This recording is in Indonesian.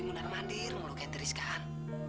saya reactive turut katakan